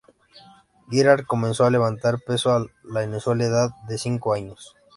Girard comenzó a levantar peso a la inusual edad de cinco años.